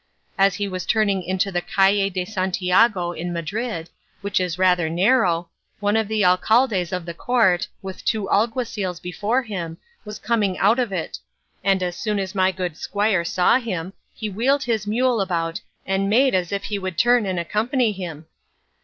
As he was turning into the Calle de Santiago in Madrid, which is rather narrow, one of the alcaldes of the Court, with two alguacils before him, was coming out of it, and as soon as my good squire saw him he wheeled his mule about and made as if he would turn and accompany him.